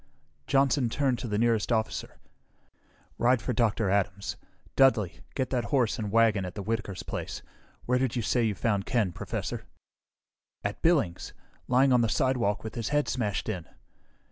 Johnson turned to the nearest officer. "Ride for Dr. Adams. Dudly, get that horse and wagon that's at Whitaker's place. Where did you say you found Ken, Professor?" "At Billings. Lying on the sidewalk with his head smashed in."